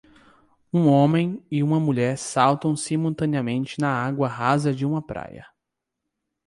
Um homem e uma mulher saltam simultaneamente na água rasa de uma praia.